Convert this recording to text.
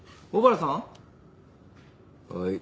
はい。